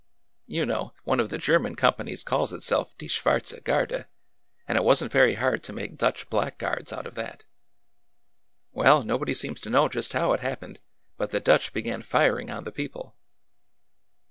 You know, one of the German companies calls itself ' die Schwartze Garde,' and it was n't very hard to make ' Dutch blackguards ' out of that. " Well, nobody seems to know just how it happened, but the Dutch began firing on the people."